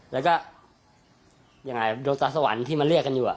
แล้วก็ยังไงดวงตาสวรรค์ที่มาเรียกกันอยู่